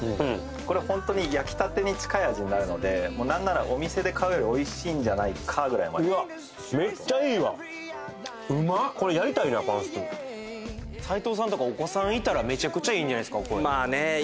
これ本当に焼きたてに近い味になるのでもうなんならお店で買うよりおいしいんじゃないかぐらいまでめっちゃいいわうまっこれやりたいなパンスク斎藤さんとかお子さんいたらめちゃくちゃいいんじゃないですか？